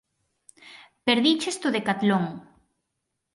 Perdícheste o décatlon.